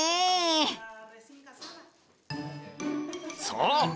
そう。